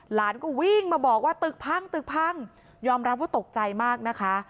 หลานก็วิ่งมาบอกว่าตึกพังตึกพังยอมรับว่าตกใจมากนะคะ